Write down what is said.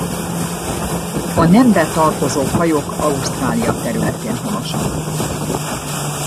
A nembe tartozó fajok Ausztrália területén honosak.